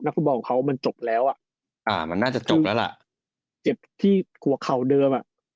ฟุตบอลของเขามันจบแล้วอ่ะอ่ามันน่าจะจบแล้วล่ะเจ็บที่หัวเข่าเดิมอ่ะ